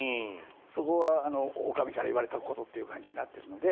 そこはお上から言われたことという感じになっているので。